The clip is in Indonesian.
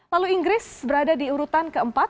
lalu inggris berada di urutan ke empat